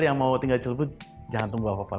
yang mau tinggal di celebut jangan tunggu apa apa lagi